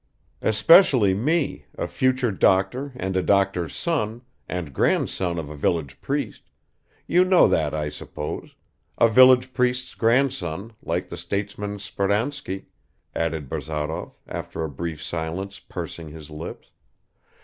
"Especially me, a future doctor and a doctor's son, and grandson of a village priest ... you know that, I suppose ... a village priest's grandson, like the statesman Speransky," added Bazarov, after a brief silence, pursing his lips.